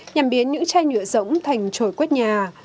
nhằm biến những chai nhựa rỗng thành trội quét nhà